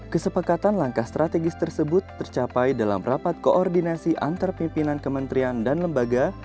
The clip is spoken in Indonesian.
kesepakatan langkah strategis tersebut tercapai dalam rapat koordinasi antar pimpinan kementerian dan lembaga